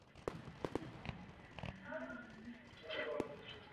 O rok později získala "City of Paris" Modrou stuhu zpět.